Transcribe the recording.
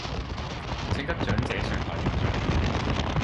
請得奬者上台領奬